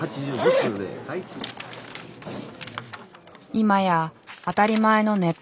今や当たり前のネット通販。